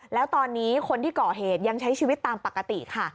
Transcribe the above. แล้วตอนนี้คนที่ก่อเหตุยังใช้ชีวิตตามปกติค่ะ